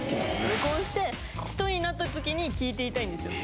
録音して１人になった時に聴いていたいんですよ。